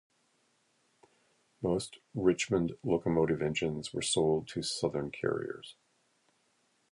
Most Richmond Locomotive engines were sold to Southern carriers.